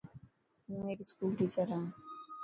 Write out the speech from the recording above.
هون هيڪ اسڪول ٽيڇر هان.